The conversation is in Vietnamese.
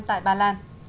tại ba lan